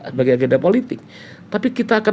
sebagai agenda politik tapi kita akan